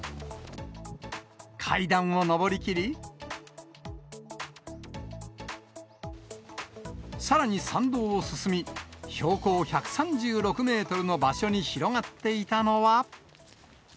階段を上りきり、さらに山道を進み、標高１３６メートルの場所に広がっていたのは。